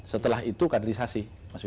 setelah itu kaderisasi